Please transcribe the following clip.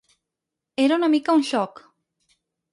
Era una mica un xoc.